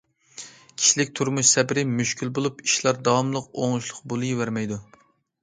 كىشىلىك تۇرمۇش سەپىرى مۈشكۈل بولۇپ، ئىشلار داۋاملىق ئوڭۇشلۇق بولۇۋەرمەيدۇ.